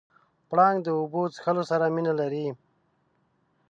پړانګ د اوبو څښلو سره مینه لري.